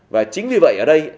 và chính vì vậy ở đây